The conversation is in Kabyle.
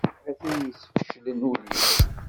A tin yesfeclen ul-iw.